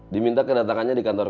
diminta kedatangannya di kantor